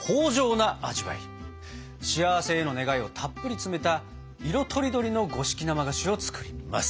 幸せへの願いをたっぷり詰めた色とりどりの五色生菓子を作ります！